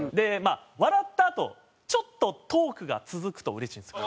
笑ったあとちょっとトークが続くとうれしいんですよ。